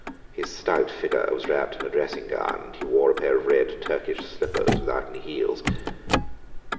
His stout figure was wrapped in a dressing gown, and he wore a pair of red Turkish slippers without any heels.